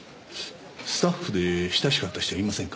スタッフで親しかった人はいませんか？